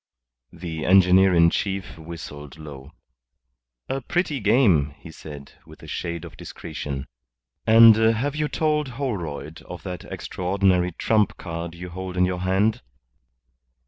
The engineer in chief whistled low. "A pretty game," he said, with a shade of discretion. "And have you told Holroyd of that extraordinary trump card you hold in your hand?"